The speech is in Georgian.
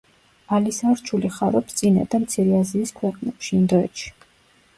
ალისარჩული ხარობს წინა და მცირე აზიის ქვეყნებში, ინდოეთში.